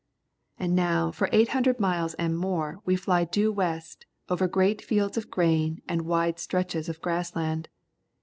And now for 800 miles and more we fly due west over great fields of grain and wide stretches of grass land.